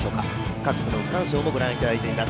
各区の区間賞をご覧いただいています。